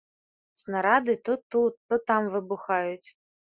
Снарады то тут, то там выбухаюць.